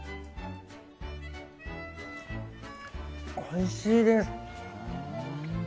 おいしいです。